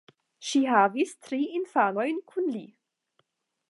Ŝi havis tri infanojn kun li.